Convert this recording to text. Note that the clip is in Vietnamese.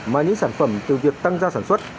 mà những sản phẩm từ việc tăng gia sản xuất